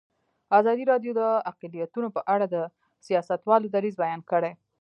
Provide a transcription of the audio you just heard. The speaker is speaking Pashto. ازادي راډیو د اقلیتونه په اړه د سیاستوالو دریځ بیان کړی.